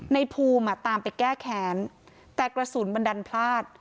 ในภูมิอ่ะตามไปแก้แค้นแต่กระสุนมันดันพลาด